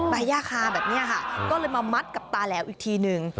ย่าคาแบบนี้ค่ะก็เลยมามัดกับตาแหลวอีกทีหนึ่ง